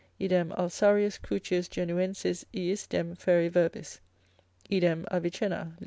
Idem Alsarius Crucius Genuensis iisdem fere verbis. Idem Avicenna lib.